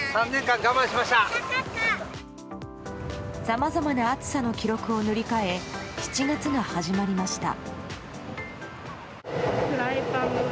さまざまな暑さの記録を塗り替え７月が始まりました。